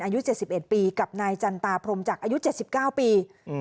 อายุ๗๑ปีกับนายจันตาพรมจักรอายุ๗๙ปีอืม